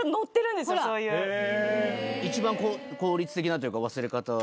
一番効率的なというか忘れ方は？